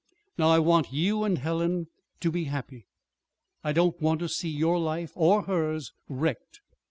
Now I want you and Helen to be happy. I don't want to see your life or hers wrecked.